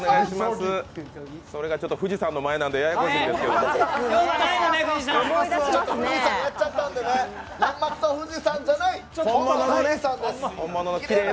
それが富士山の前なんでややこしいんですが。